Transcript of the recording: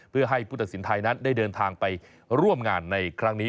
เพื่อให้ผู้ตัดสินไทยนั้นได้เดินทางไปร่วมงานในครั้งนี้